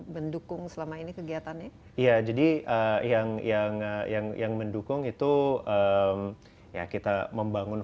mendukung selama ini kegiatannya iya jadi yang yang mendukung itu ya kita membangun